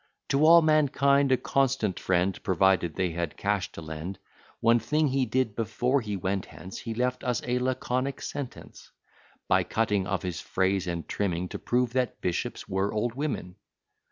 To all mankind a constant friend, Provided they had cash to lend. One thing he did before he went hence, He left us a laconic sentence, By cutting of his phrase, and trimming To prove that bishops were old women.